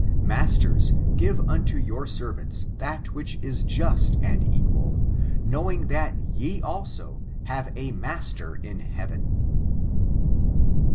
Masters, give unto your servants that which is just and equal ; knowing that ye, also, have a master in heaven."